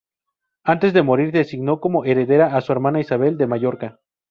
Antes de morir, designó como heredera a su hermana Isabel de Mallorca.